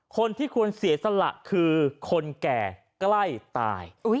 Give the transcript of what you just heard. คนที่ควรเสียสละคือคนแก่ใกล้ตาย